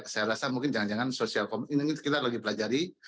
saya rasa mungkin jangan jangan sosial com ini kita lagi pelajari